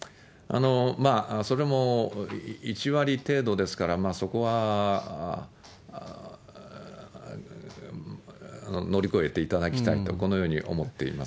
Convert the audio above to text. それも１割程度ですから、そこは乗り越えていただきたいと、このように思っています。